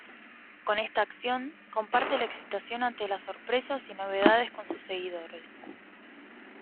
Con esta acción, comparte la excitación ante las sorpresas y novedades con sus seguidores.